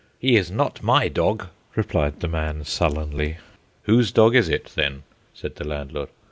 "He is not my dog," replied the man sullenly. "Whose dog is it then?" said the landlord.